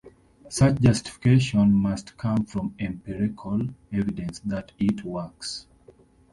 Such justification must come from empirical evidence that it works.